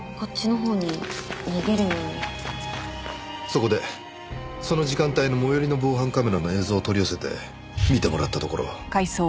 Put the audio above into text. そこでその時間帯の最寄りの防犯カメラの映像を取り寄せて見てもらったところ。